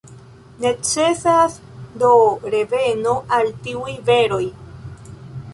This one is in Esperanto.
Necesas do reveno al tiuj veroj.